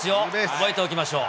覚えておきましょう。